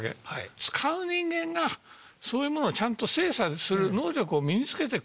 使う人間がそういうものをちゃんと精査する能力を身に付けてく。